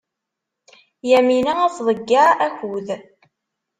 Yamina ad tḍeyyeɛ akud.